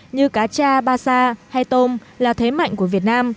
như cá cha ba sa hay tôm là thế mạnh của việt nam